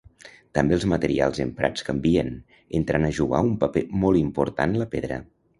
També els materials emprats canvien, entrant a jugar un paper molt important la pedra.